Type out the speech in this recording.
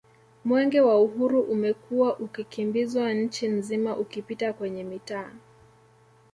Mwenge wa Uhuru umekuwa ukikimbizwa Nchi nzima ukipita kwenye mitaa